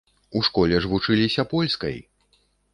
У школе ж вучыліся польскай!